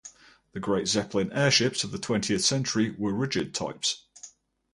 The great Zeppelin airships of the twentieth century were rigid types.